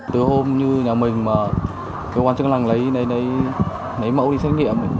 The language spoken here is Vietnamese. từ hôm như nhà mình mà cơ quan chức năng lấy mẫu đi xét nghiệm